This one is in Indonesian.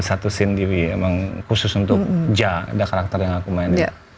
satu scene tv emang khusus untuk ja ada karakter yang aku mainin